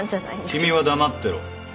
君は黙ってろ。